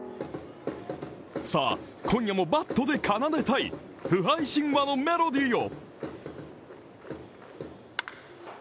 さぁ、今夜もバットで奏でたい、不敗神話のメロディーを。